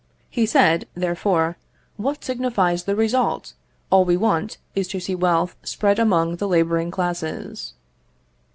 He said, therefore, "What signifies the result? All we want is to see wealth spread among the labouring classes."